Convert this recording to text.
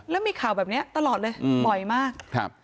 แล้วมีข่าวแบบนี้ตลอดเลยบ่อยมาก